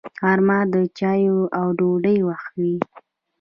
غرمه د چایو او ډوډۍ وخت وي